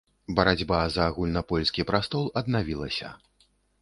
Барацьба за агульнапольскі прастол аднавілася.